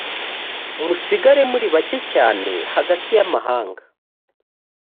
musigare muri bake cyane hagati y’amahanga